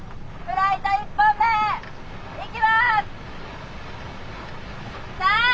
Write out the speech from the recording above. フライト１本目いきます！